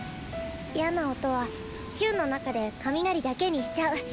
嫌な音はヒュンの中で雷だけにしちゃう。